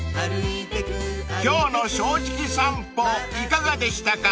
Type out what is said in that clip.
［今日の『正直さんぽ』いかがでしたか？］